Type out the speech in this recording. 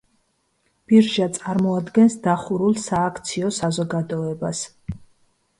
ბირჟა წარმოადგენს დახურულ სააქციო საზოგადოებას.